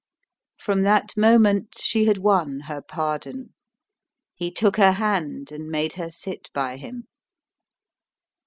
From that moment she had won her pardon. He took her hand and made her sit by him.